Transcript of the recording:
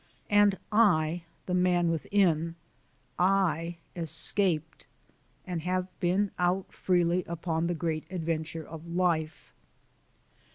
And I the man within I escaped, and have been out freely upon the great adventure of life.